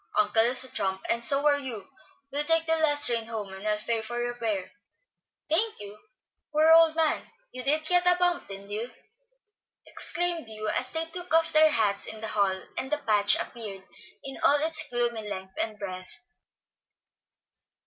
Uncle is a trump, and so are you. We'll take the last train home, and I'll pay your fare." "Thank you. Poor old man, you did get a bump, didn't you?" exclaimed Hugh, as they took off their hats in the hall, and the patch appeared in all its gloomy length and breadth.